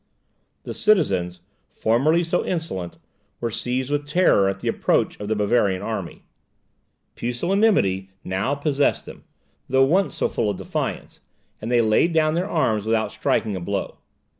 The citizens, formerly so insolent, were seized with terror at the approach of the Bavarian army; pusillanimity now possessed them, though once so full of defiance, and they laid down their arms without striking a blow.